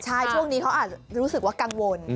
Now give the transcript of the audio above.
ใช่ช่วงนี้เขาอาจรู้สึกว่ากังวล